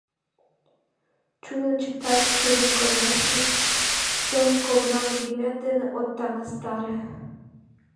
— Чӱдын чиктат, чӱдын— Конешне, тыйын ковыра вургемет дене от таҥастаре.